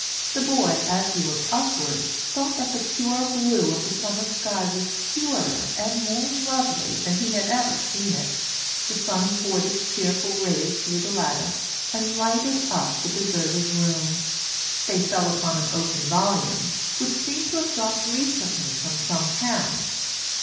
The boy, as he looked upwards, thought that the pure blue of the summer sky was purer and more lovely than he had ever seen it. The sun poured its cheerful rays through the lattice, and lighted up the deserted room; they fell upon an open volume, which seemed to have dropped recently from some hand.